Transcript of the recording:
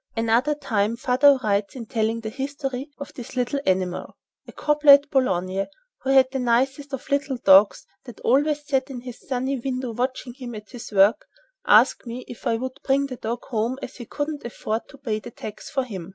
Another time father writes in telling the history of this little animal: "A cobbler at Boulogne, who had the nicest of little dogs that always sat in his sunny window watching him at his work, asked me if I would bring the dog home as he couldn't afford to pay the tax for him.